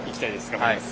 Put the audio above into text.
頑張ります。